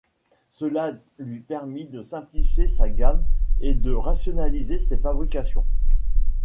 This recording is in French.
Cela lui permit de simplifier sa gamme et de rationaliser ses fabrications.